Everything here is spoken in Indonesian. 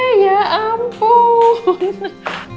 hei ya ampun